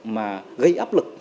mà gây áp lực